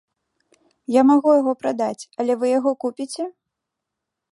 Я магу яго прадаць, але вы яго купіце?